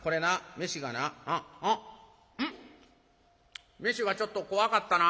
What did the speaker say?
うん飯がちょっとこわかったな。